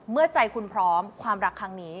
เมื่อใจคุณพร้อมความรักครั้งนี้